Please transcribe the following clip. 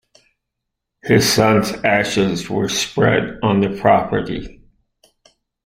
His son's ashes were spread on the property.